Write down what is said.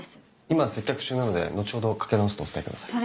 今接客中なので後ほどかけ直すとお伝えください。